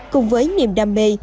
cùng với niềm đam mê